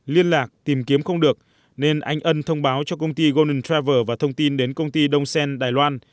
liên lạc tìm kiếm không được nên anh ân thông báo cho công ty golden travel và thông tin đến công ty đông sen đài loan